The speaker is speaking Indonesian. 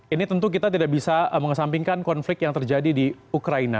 ini tentu kita tidak bisa mengesampingkan konflik yang terjadi di ukraina